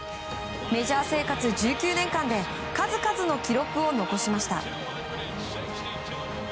メジャー生活１９年間で数々の記録を残しました。